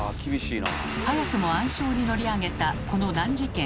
早くも暗礁に乗り上げたこの難事件。